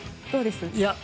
どうです？